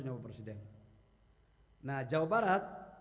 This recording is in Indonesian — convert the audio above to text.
nah jawa barat